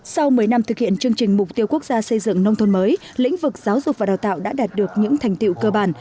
sau một mươi năm thực hiện chương trình mục tiêu quốc gia xây dựng nông thôn mới lĩnh vực giáo dục và đào tạo đã đạt được những thành tiệu cơ bản